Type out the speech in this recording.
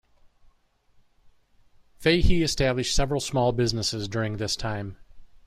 Fahy established several small businesses during this time.